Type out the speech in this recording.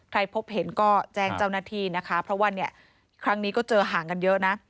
พบเห็นก็แจ้งเจ้าหน้าที่นะคะเพราะว่าเนี่ยครั้งนี้ก็เจอห่างกันเยอะนะ